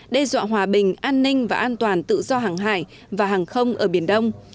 đe dọa hòa bình an ninh và an toàn tự do hàng hải và hàng không ở biển đông